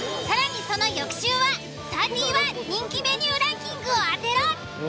更にその翌週は「サーティワン」人気メニューランキングを当てろ。